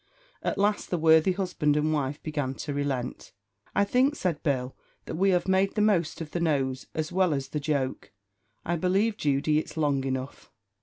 At last the worthy husband and wife began to relent. "I think," said Bill, "that we have made the most of the nose, as well as the joke; I believe, Judy, it's long enough."